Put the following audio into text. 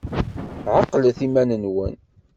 Ɛqlet iman-nwen!